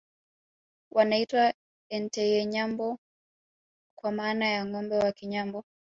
Wanaitwa Ente ye Nyambo kwa maana ya Ngombe wa Kinyambo